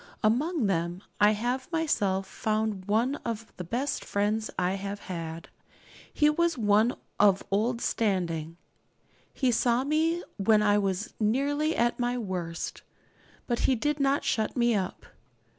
Among them I have myself found one of the best friends I have had. He was one of old standing. He saw me when I was nearly at my worst; but he did not shut me up.